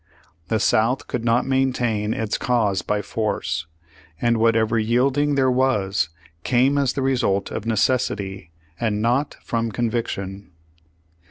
The South could not maintain its cause by force, and whatever yielding there was came as the result of necessity, and not from convic tion.